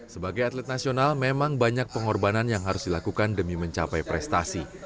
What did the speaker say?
sebagai atlet nasional memang banyak pengorbanan yang harus dilakukan demi mencapai prestasi